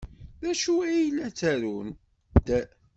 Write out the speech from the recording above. D acu ay la ttarunt?